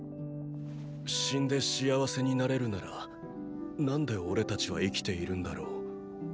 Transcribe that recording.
死んで幸せになれるなら何でおれたちは生きているんだろう。